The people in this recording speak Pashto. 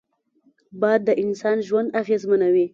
باد د انسان ژوند اغېزمنوي